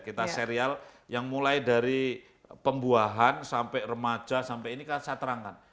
kita serial yang mulai dari pembuahan sampai remaja sampai ini kan saya terangkan